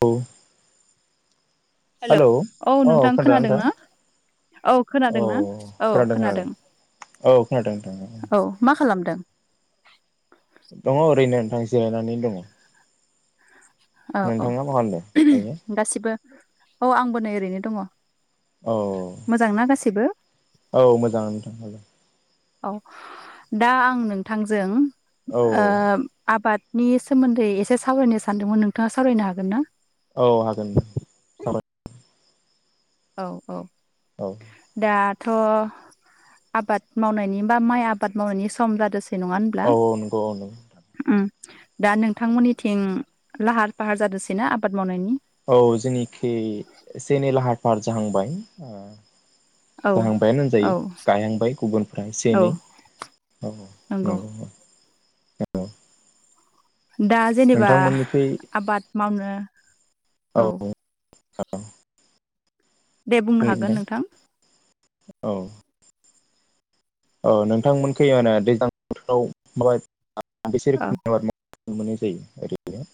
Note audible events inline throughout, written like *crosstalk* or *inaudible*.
औ hello hello औ नोंथां खोनथादों खोनादों नोंथां ना औ खोनादों औ ना औ खोनादों खोनादों औ खोनादों नोंथां औ मा खालामदों दङ ओरैनो जिरायनानै दङ औ औ नोंथाङा मा खालामदों दायो गासिबो औ आंबो नै ओरैनो दङ औ मोजांना गासैबो औ मोजां नोंथां औ दा आं नोंथांजों औ ओ आबाद नि सोमोन्दै एसे सावरायनो सानदोंमोन नोंथां नोंथाङा सावरायनो हागोन ना औ हागोन सावराय औ औ औ दा थ' आबाद मावनायनि बा माइ आबाद मावनायनि सम जादोंसै औ नंगौ औ नंगौ उम दा नोंथांमोननिथिं लाहार फाहार जादोंसैना आबाद मावनायनि औ जोंनिखि जेनेलाहा फाहार जाहांबाय औ जाहांबायानो औ होनजायो गायहांबाय गुबुनफ्रा एसे औ एनै औ नंगौ *unintelligible* दा जेनेबा नोंथांमोननिखै आबाद मावनो औ औ दे बुंनो हागोन नोंथां औ ओ नोंथांमोनखै माने दैज्लां बोथोराव माबा *unintelligible* औ नुनो मोननाय जायो ओरै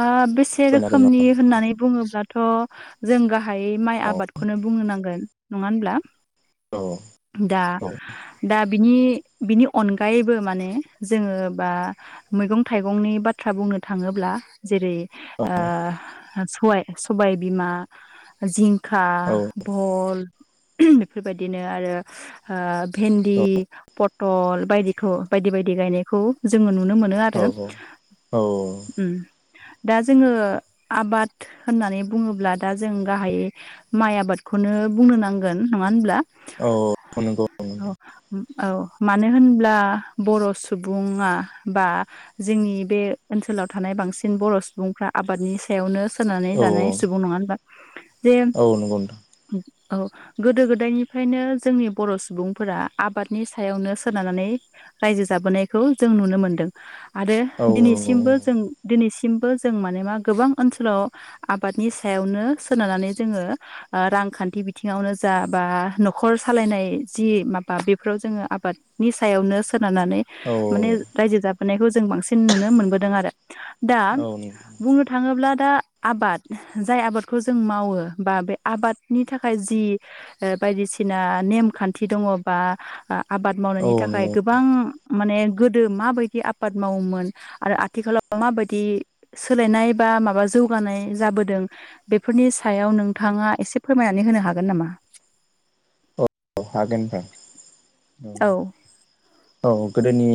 आ बेसे फोरमायनो हागोन रोखोमनि नामा? होननानै बुङोब्लाथ' जों गा गाहाय माइ आबादखौनो बुंनो नांगोन नङा होनब्ला? औ दा औ दा बिनि बिनि अनगायैबो माने जोङो बा मैगं थाइगंनि बाथ्रा बुंनो थाङोब्ला जेरै ओ सबाय सबाय बिमा जिं खा भल बेफोरबायदिनो आरो भेन्दि प टल बायदिखौ बायदि बायदि गायनायखौ जोङो नु नुनो मोनो आरो। औ दा जोङो आबाद होननानै बुङोब्ला दा जों गाहायै माइ आबादखौनो बुंनो नांगोन नङा होनब्ला? औ नंगौ औ नोंथां औ मानो होनब्ला बर' सुबुङा बा जोंनि बे ओनसोलाव थानाय बांसिन बर' सुबुंफ्रा आबादनि सायावनो दोनानै औ जानाय सुबुं नङा होनबा *inaudible* जे औ नंगौ नोंथां औ गोदो गोदायनिफ्रायनो जोंनि बर' सुबुंफोरा आबादनि सायावनो सोनारनानै रायजो जाबोनायखौ जों नुनो मोनदों। आरो औ नंगौ दिनैसिमबो दिनैसिमबो जों माने मा गोबां ओनसोलाव आबादनि सायावनो सोनारनानै जोङो रांखान्थि बिथिङावनो जा बा न'खर सालायनाय जि माबा बेफोराव जोङो आबादनि सायावनो खोनानानै औ माने रायजो जाबोनायखौ जों बांसिन नुनो मोनबोदों आरो। दा औ बुंनो थाङो ब्ला दा आबाद जाय आबादखौ जों मावो बा बे आबादनि थाखाय जि बायदिसिना नेमखान्थि दङ बा आबाद मावनायनि थाखाय नंगौ गोबां माने गोदो माबायदि आबाद मावोमोन आरो आथिखालाव मााबायदि सोलायनाय बा माबा जौगानाय जाबोदों बेफोरनि सायाव नोंथाङा एसे फोरमायनानै होनो हागोन नामा? औ हागोन नोंथां। औ औ औ गोदोनि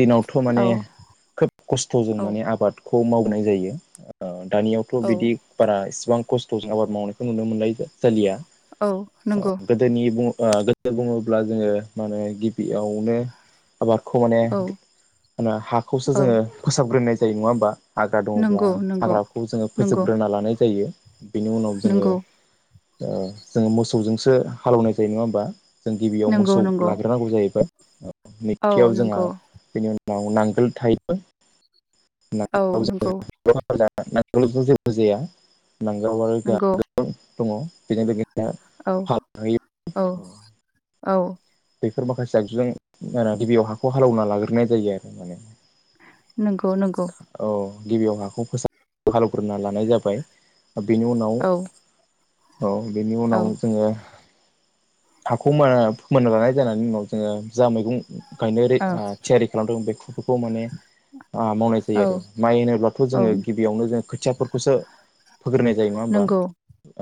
दिनावथ' औ माने खोब खस्थ'जों औ माने आबाद खौ मावनाय जायो दानियावथ' औ बिदि बारा इसेबां खस्थ'जों आबाद मावनायखौ नुनो मोननाय जालिया। औ नंगौ। गोदोनि बुङो ओ गोसो बुङोब्ला जोङो माने गिबियावनो आबादखौ माने औ हाखौसो जोङो औ फोसाबग्रोनाय दै नङा होमबा? हाग्रा दङब्ला नंगौ नंगौ हाग्राखौ जोङो नंगौ फोजोबग्रोना लानाय जायो। बेनि उनाव जोङो नंगौ औ जोङो मोसौजोंसो हालौवनाय जै नङा होमबा जों गिबियाव नंगौ मोसौ नंगौ लाग्रोनांगौ जाहैबाय औ नैथियाव जोंहा नंगौ बेनि आव नांगोल थायो औ नंगौ। जल जेबो जाया। *unintelligible* दङ नंगौ बेजों लोगोसे औ फाग होयो औ। औ। बेफोर माखासे आगजुजों गिबियाव हाखौ हालेवना लाग्रोनाय जायो आरो माने नंगौ नंगौ। औ गिबियाव हाखौ फोसाब हालेवग्रोना लानाय जाबाय। बेनि उनाव औ औ बेनि औ उनाव जोङो हाखौ मोना फोमोनना लानाय जानायनि उनाव जोङो जा मैगं गायनो रेद औ ओ ओरै थियारि खालामदों बेखौ खौ माने आ मावनाय जायो आरो औ माइ होनोब्लाथ' औ जोङो गिबियावनो जों खोथि थिया फोरखौसो फोग्रोनाय जायो नङा होमबा नंगौ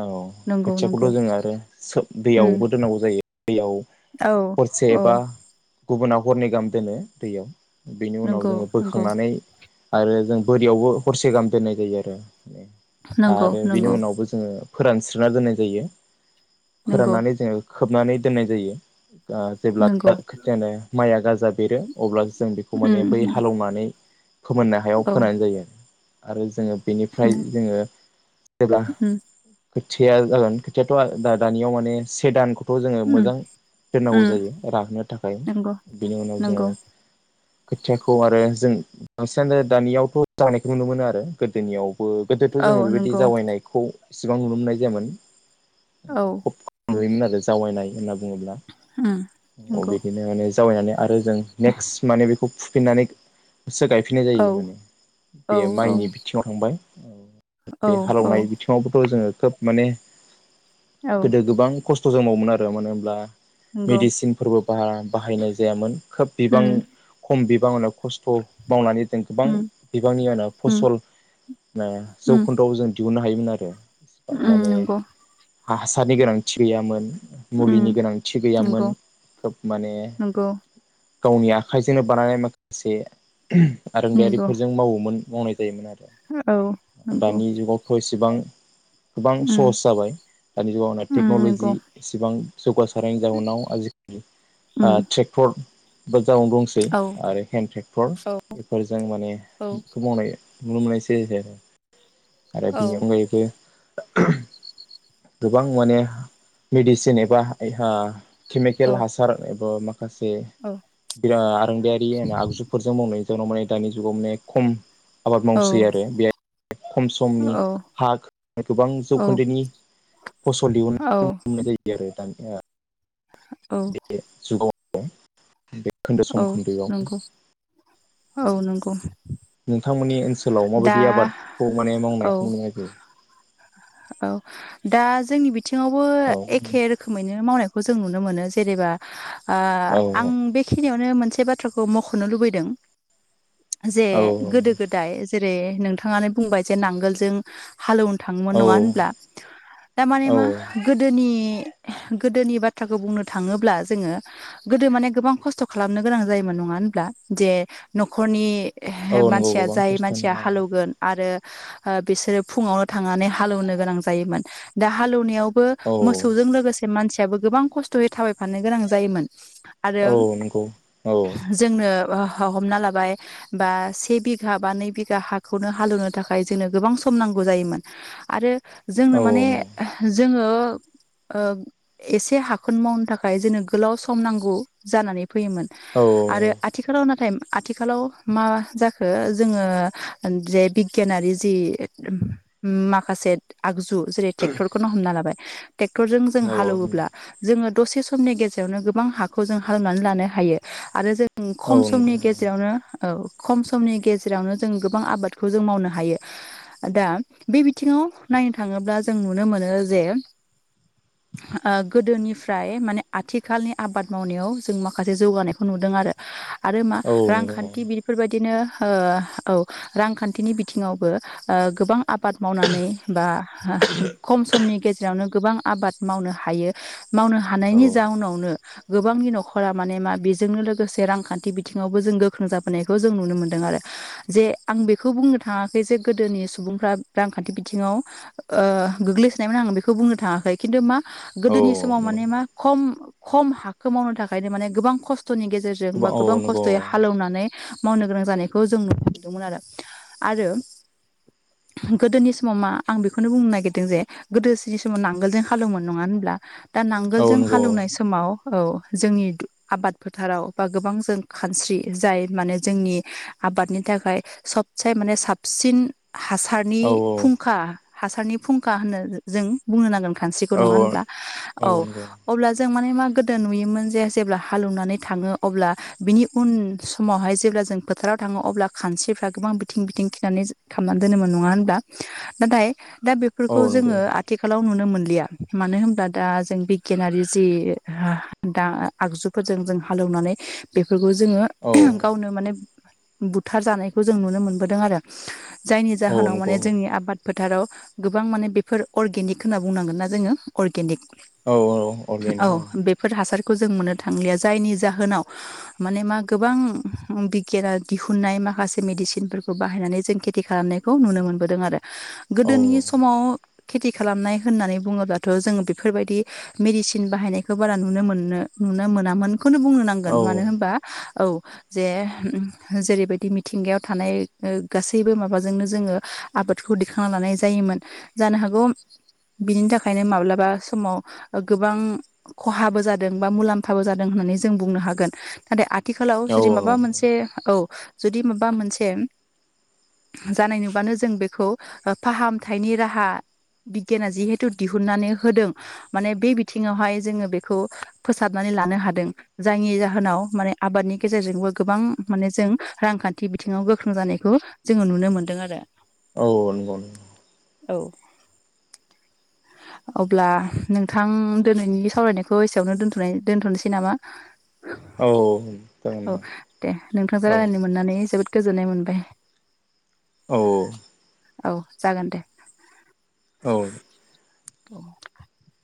औ नंगौ नंगौ खोथियाखौथ' जोङो आरो उम दैयावबो दोननांगौ जायो दैयाव औ हरसे औ एबा गुबुनाव हरनै गाहाम दोनो दैयाव बेनि उनाव नंगौ जोङो नंगौ। बोखांनानै आरो जों बोरियावबो हरसे गाहाम दोननाय जायो आरो। नंगौ आरो बेनि नंगौ उनावबो जोङो। फोरानस्रोना दोननाय जायो। नंगौ फोराननानै जोङो खोबनानै दोननाय जायो दा जेब्लानो नंगौ *unintelligible* माइया गाजा बेरो अब्लासो जों बेखौ माने बै उम हालेवनानै फोमोननो हायाव औ फोनानै गायो आरो जोङो बेनिफ्राय उम जोङो जेब्ला खोथिया जागोन खोथियाथ दानियाव माने से दान खो थ जोङो उम मोजां देननांगौ उम जायो राहोनो थाखाय नंगौ बेनि उनाव जोङो नंगौ खोथियाखौ आरो जों बांसिनानो दानियावथ जानायखौ नुनो मोनो आरो गोदोनियाव गोदोथ औ जोङो बेबायदि नंगौ जावैनायखौ इसिबां नुनो मोननाय जायामोन। औ खब खुयोमोन आरो जावायनाय होनना उम *unintelligible* अ नंगौ बिदिनो माने जावाय ननानै आरो जों नेक्स्ट माने बे फुफिननानै सो गायफिननाय औ जायो माने औ बे औ माइनि बिथिङाव थांबाय औ औ बे औ हालेवनाय बिथिङावबोथ जोङो खोब माने औ गोदो गोबां खस्थजों मावोमोन आ फोर मानो होब्ला नंगौ मेडिसिनफोरबो बारा बाहायनाय जायामोन खोब बिबां उम खम *unintelligible* खस्थ मावनानै जों गोबां उम बिबांनिनो उम फसल उम जौखोन्दोआव जों दिहुननो हायोमोन आरो इसेबां उम माने नंगौ हासारनि गोनांथि गैयामोन मुलिनि उम गोनांथि नंगौ गैयामोन खोब माने नंगौ गावनि आखाइजोंनो बानायनाय मोन से नंगौ आरोंदायारिफोरजों मावोमोन मावनाय जायोमोन औ आरो नंगौ दानि जुगावथ' एसेबां गोबां उम सहस जाबाय दानि जुगावाव उम टेक्न'लजि नंगौ इसेबां जौगासारनायनि जाउनाव आजिखालि आ उम ट्रेक्टर जावनो दंसै औ आरो हेन्दड ट्रेक्टर औ बेफोरजों माने औ बेखो मावनाय *unintelligible* आरो बिनि अनगायैबो गोबां माने मेडिसिन एबा औ केमिकेल हासार एबा मा माखासे औ बिराआरोंदायारि होन आगजुफोरजों मावनाय जनाव माने दानि जुगाव माने खम आबाद औ मावसै आरो बे खम समनि हा गोबां जौखोन्दोनि फसल औ दिहुननाय मोननाय जायो आरो दानि हा औ बेग *unintelligible* औ औ नंगौ औ नंगौ नोंथांमोननिओनसोलाव दा माबायदि आबादखौ माने औ मावनायखौ नुनाय जायो औ दा जोंनि बेथ थिङावबो औ एखे रोखोमैनो मावनायखौ खौ जों नुनो मोनो जेनेबा आ औ आं बे मोनसे बाथ्राखौ मख'नो लुबैदों जे गोदो गोदाय जेरै नोंथाङानो बुंबाय जे नांगोलजों हालेवनो थाङोमोन औ नङा होनब्ला दामाने औ मा गोदोनि गोदोनि बाथ्राखौ बुंनो थाङोब्ला जोङो गोदो माने गोबां खस्थ' खस्थ' खालामनो गोनां जायोमोन नङा होनब्ला जे न'खरनि औ नंगौ मानसिया गोबां जाय मानसिया खस्थ'नि हालेवगोन आरो ओ बिसोरो फुङावनो थांनानै हालौनो गोनां जायोमोन दा हालौवनायाव बो औ मोसौजों लोगोसे मानसि याबो गोबां खस्थ'यै थाबायफाननो गोनां जायोमोन। आरो औ नंगौ औ-औ ओहो हमना लाबाय बा से बिघा बा नै बिघा हाखौनो हालौनो थाखाय जोंनो गोबां सम नांगौ जायोमोन आरो जोंनो औ माने नंगौ जोंङो ओ एसे हाखोन मावनो थाखाय जोंनो गोलाव सम नांगौ जानानै फैयोमोन औ आरो आथिखालाव नाथाय आथिखालाव मा जाखो जोंङो जे बिगियानारि जि माखासे आगजु जेरै ट्रेक्टरखौनो हमना लाबाय ट्रेक्टरजों जों औ नंगौ हालौवोब्ला जोंङो दसे समनि गेजेरावनो गोबां हाखौ जों हालनानै लानो हायो आरो जों औ खम नंगौ समनि गेजेरावनो औ खम समनि गेजेरावनो जों गोबां आबादखौ जों मावनो हायो दा बे बिथिङाव नायनो थाङोब्ला जों नुनो मोनो जे ओ गोदोनिफ्राय माने आथिखालनि आबाद मावनायाव जों मा खासे जौगानायखौ नुदों आरो आरो मा औ नंगौ रांखान्थि बेफोरबायदिनो ओ औ रांखान्थिनि बिथिङावबो ओ गोबां आबाद मावनानै बा खम समनि गेजेरावनो गोबां आबाद मावनो हायो। मावनो औ हानायनि जाउनावनो गोबांनि न'ख फोरा माने मा बेजोंनो लोगोसे रांखान्थि बिथिङावबो जों गोख्रों जाबोनायखौ जों नुनो मोन्दों आरो जे आं बेखौ बुंनो थाङाखै जे गोदोनि सुबुंफ्रा रांखान्थि बिथिङाव ओ गोग्लैसोनायमोन आं बेखौ बुंनो थाङाखै खिन्थु मा गोदोनि औ समाव नंगौ माने मा खम खम हाखखो मावनो थाखा खायनो माने गोबां खस थ'नि गेजेरजों बा औ गोबां नंगौ खस्थ'यै हालेवनानै मावनो गोनां जानायखौ जों नुनो मोनदोंमोन आरो आरो गोदोनि समाव मा आं बेखौनो बुंनो नागिरदों जे गोदोसिनि समाव नांगोलजों हालोवोमोन नङा होनब्ला दा औ नांगोलजों नंगौ हालौवनाय समाव औ जोंनि आबाद फोथाराव बा गोबां जों खानस्रि जाय माने जोंनि आबादनि थाखाय सबसे माने साबसिन हासारनि औ फुंखा हासारनि फुंखा होननो जों बुंनो नांगोन। खानस्रिखौ औ नङा होनब्ला औ अब्ला जो जो माने मा गोदो नुयोमोन। जे जेब्ला हालौनानै थाङो अब्ला बिनि उन समावहाय जेब्ला जों फोथाराव थाङो अब्ला खानस्रिफ्रा गोबां बिथिं बिथिं खिनानै खामना दोनोमोन नङा होनब्ला। नाथाय दा औ बेफोरखौ नंगौ जोङो आथिखालाव नुनो मोन लिया मानो होनब्ला दा जों बिगियानारि जि हा दा आगजुफोरजों जों हालेवनानै बे फोरखौ जोङो औ गावनो माने बुथार जानायखौ जों नुनो मोनबोदों आरो जायनि औ जाहोनाव नंगौ माने जोंनि आबाद फोथाराव गोबां माने बेफोर अर्गेनिक होनना बुंनांगोन ना जोङो अर्गेनिक। औ औ अरगेनिक। खौ जों मोननो थांलिया जायनि जाहोनाव माने मा गोबां बिगियाना दिहुनन्नाय माखासे मेदिसिनफोरखौ बाहायनानै जों खेथि खालामनायखौ नुनो मोनबोदों आरो। औ गोदोनि समाव खेथि खालामनाय होननानै बुङोब्लाथ' जोङो बेफोरबायदि मेदिसिन बाहायनायखो बारा नुनो मोन नो नुनो मोनामोन। बेखौनो बुंनो औ नांगोन मानो होनबा औ। जे जेरैबायदि मिथिंगायाव थानाय ओ गासैबो माबाजोंनो जोङो आबादखौ दिखांना लानाय जायोमोन जानो हागौ बिनि थाखायनो माब्लाबा समाव गोबां खहाबो जा दों बा मुलाम्फाबो जादों होननानै जों बुंनो हागोन नाथाय आ थिखालाव औ जुदि माबा नंगौ मोनसे औ। जुदि माबा मोनसे जानाय नुबानो जों बेखौ ओ फाहामथायनि राहा बिगियाना जिहेथु दिहुननानै होदों। माने बे बिथिङावहाय जोङो बेखौ फोसाबनानै लानो हादों जायनि जाहोनाव माने आबादनि गेजेरजोंबो गोबां माने जों रांखान्थि बिथिङाव गोख्रों जानायखौ जोङो नुनो मोनदों आरो। औ नंगौ । औ अब्ला नोंथां दोनैनि सावरायनायखौ एसेयावनो दोनथ नाय दोनथ'नोसै नामा? औ नोंथां दे नोंथांजों रायलायनो मोननानै जोबोद गोजोननाय मोनबाय। औ औ। औ जागोन दे। औ। *inaudible*